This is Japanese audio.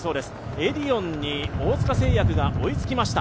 エディオンに大塚製薬が追いつきました。